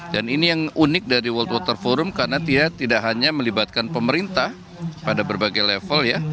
dan ini yang unik dari world water forum karena dia tidak hanya melibatkan pemerintah pada berbagai level ya